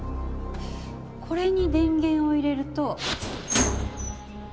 これに電源を入れると。